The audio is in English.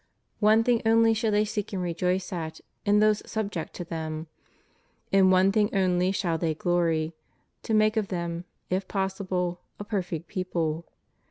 "One thing only shall they seek and rejoice at in those subject to them, in one thing only shall they glory — to make of them, if possible, a perfect people.